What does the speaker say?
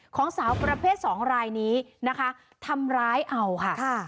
สาวประเภทสองรายนี้นะคะทำร้ายเอาค่ะ